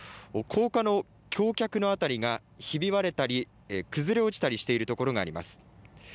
高架の橋脚のあたりがひび割れたり崩れ落ちたりしている所があります。